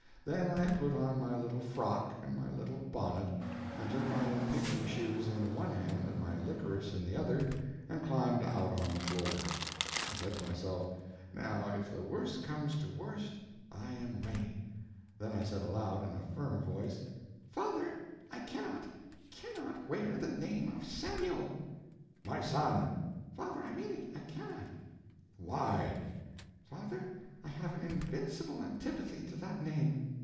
Then I put on my little frock and my little bonnet, and took my pygmy shoes in one hand and my licorice in the other, and climbed out on the floor. I said to myself, Now, if the worse comes to worst, I am ready. Then I said aloud, in a firm voice: "Father, I cannot, cannot wear the name of Samuel." "My son!" "Father, I mean it. I cannot." "Why?" "Father, I have an invincible antipathy to that name."